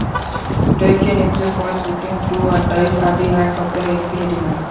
Takion himself falls victim to and dies at the hands of the Infinity-Man.